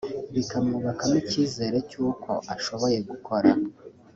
bikamwubakamo icyizere cy’uko ashoboye gukora